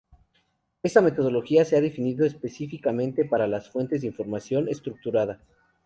Esta metodología se ha definido específicamente para las fuentes de información estructurada.